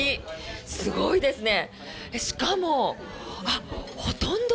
すごいですね。